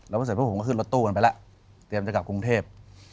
แล้วพอเสร็จพวกผมก็ขึ้นรถตู้กันไปแล้วเตรียมจะกลับกรุงเทพ